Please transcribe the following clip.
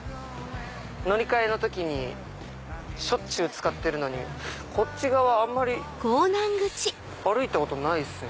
乗り換えの時にしょっちゅう使ってるのにこっち側あんまり歩いたことないっすね